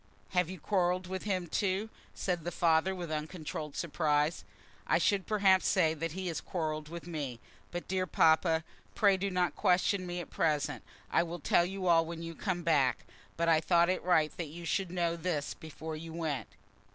"Have you quarrelled with him too?" said her father, with uncontrolled surprise. "I should perhaps say that he has quarrelled with me. But, dear papa, pray do not question me at present. I will tell you all when you come back, but I thought it right that you should know this before you went."